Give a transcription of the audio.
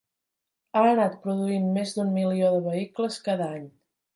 Ha anat produint més d'un milió de vehicles cada any.